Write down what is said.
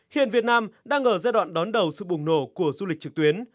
hiện việt nam đang ở giai đoạn đón đầu sự bùng nổ của du lịch trực tuyến